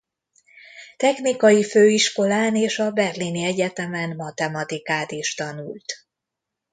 Technikai főiskolán és a berlini egyetemen matematikát is tanult.